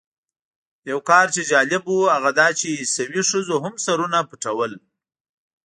یو کار چې جالب و هغه دا چې عیسوي ښځو هم سرونه پټول.